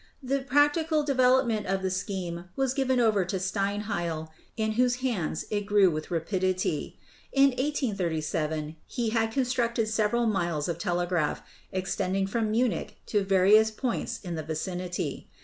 The practical development of the scheme was given over to Steinheil, in whose hands it grew with rapidity. In 1837 he had constructed several miles of telegraph, extending from Munich to various points in the vicinity.